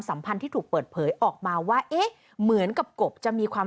สัมพันธ์ที่ถูกเปิดเผยออกมาว่าเอ๊ะเหมือนกับกบจะมีความ